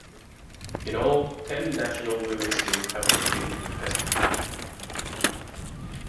In all, ten national women's teams have competed in Test cricket.